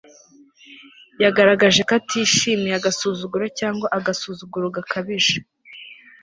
Yagaragaje ko atishimiye agasuzuguro cyangwa agasuzuguro gakabije